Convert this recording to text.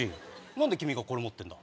何で君がこれ持ってるんだ？